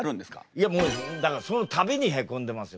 いやもうだからその度にへこんでますよ